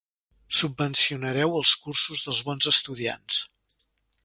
Subvencionareu els cursos dels bons estudiants.